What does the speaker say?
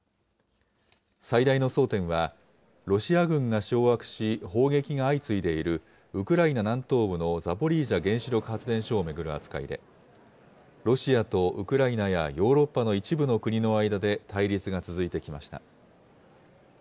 最大の争点は、ロシア軍が掌握し、砲撃が相次いでいる、ウクライナ南東部のザポリージャ原子力発電所を巡る扱いで、ロシアとウクライナやヨーロッパの一部の国の間で対立が続いてきました。